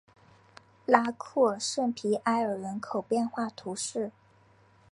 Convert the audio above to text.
拉库尔圣皮埃尔人口变化图示